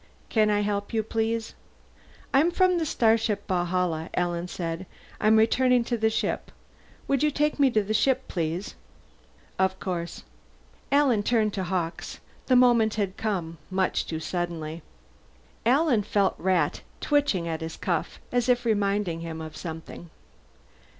"Can I help you, please?" "I'm from the starship Valhalla," Alan said. "I'm returning to the ship. Would you take me to the ship, please?" "Of course." Alan turned to Hawkes. The moment had come, much too suddenly. Alan felt Rat twitching at his cuff, as if reminding him of something.